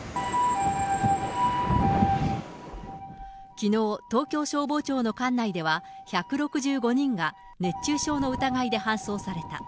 きのう、東京消防庁の管内では、１６５人が熱中症の疑いで搬送された。